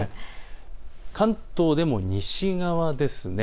関東でも西側ですね。